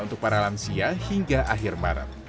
untuk para lansia hingga akhir maret